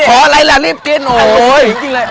ขออะไรละรีบกินโอ้ย